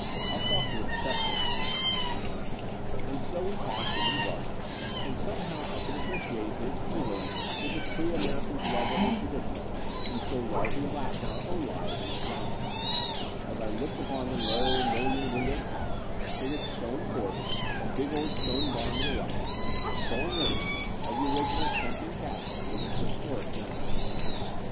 I'll talk to the Professor about it." VIII And so we i)assed into the garden : and somehow I could appreciate his feeling with the true Ameri can's love of the tradition we so largely lack in our own lives and surrotmdings, as I looked upon the low, mullion windowed house with its stone court and big old stone bam to the right, the sole rem Between London and Clymping 151 nant of the original Clymping Castle with its historic memories.